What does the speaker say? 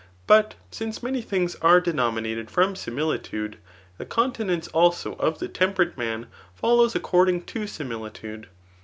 But since many things are denominated from similitude, the continence also of the temperate man follows acomi* ing to similitude.